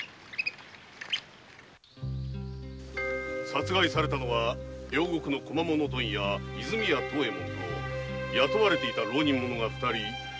殺されたのは両国の小間物問屋・泉屋藤右衛門と雇われていた浪人者が二人。